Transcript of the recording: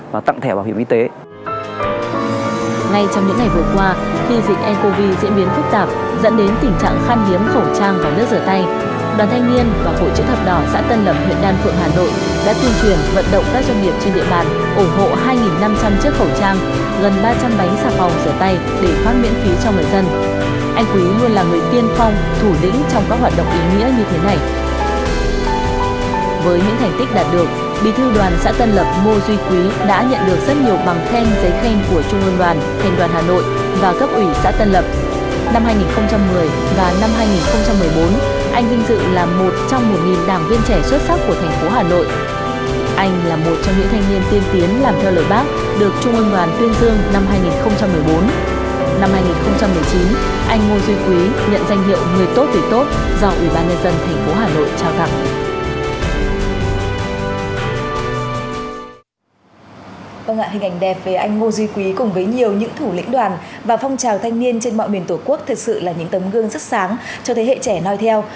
và phong trào thanh niên trên mọi miền tổ quốc thật sự là những tấm gương rất sáng cho thế hệ trẻ nói theo